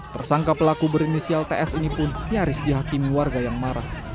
tersangka pelaku berinisial ts ini pun nyaris dihakimi warga yang marah